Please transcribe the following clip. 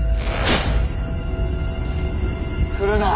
来るな！